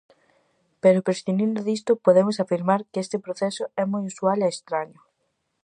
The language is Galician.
Pero prescindindo disto, podemos afirmar que este proceso é moi inusual e estraño.